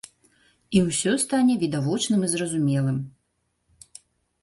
І ўсё стане відавочным і зразумелым.